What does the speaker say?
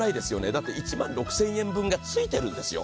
だって１万６０００円分がついてるんですよ。